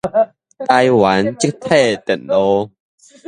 台灣積體電路